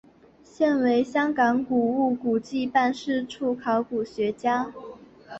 现为香港古物古迹办事处考古学家。